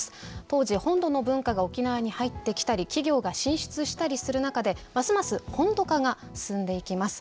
当時本土の文化が沖縄に入ってきたり企業が進出したりする中でますます「本土化」が進んでいきます。